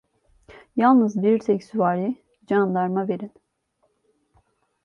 Yalnız bir tek süvari candarma verin.